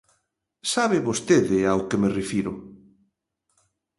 Sabe vostede ao que me refiro.